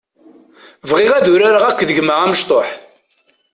Bɣiɣ ad urareɣ akked gma amecṭuḥ.